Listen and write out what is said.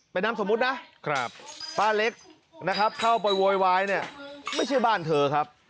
เป็นนามสมมุตินะป้าเล็กนะครับเข้าไปโวยวายเนี่ยไม่ใช่บ้านเธอครับ